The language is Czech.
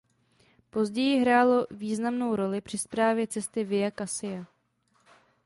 Později hrálo významnou roli při správě cesty Via Cassia.